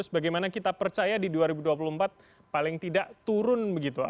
bagaimana kita percaya di dua ribu dua puluh empat paling tidak turun begitu